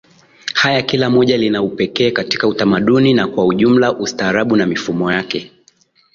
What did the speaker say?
haya kila moja lina upekee katika Utamaduni na kwa ujumla ustaarabu na mifumo yake